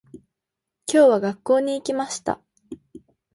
今日は、学校に行きました。